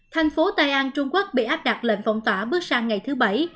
thành phố tây an trung quốc bị áp đặt lệ phong tỏa bước sang ngày thứ bảy